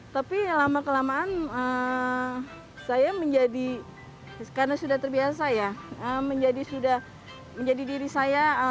tapi lama kelamaan saya menjadi karena sudah terbiasa ya menjadi diri saya